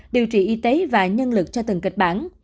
điều trị y tế và nhân lực cho từng kịch bản